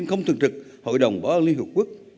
không thường trực hội đồng bảo an liên hợp quốc